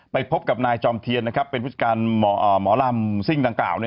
ไปพบกับนายจอมเทียนเป็นพุฒิการหมอรำซิ่งต่างกล่าว